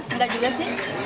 nggak juga sih